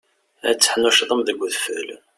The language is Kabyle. Ad teḥnuccḍem deg udfel.